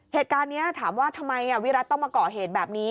เหตุการณ์นี้ถามว่าทำไมวิรัติต้องมาก่อเหตุแบบนี้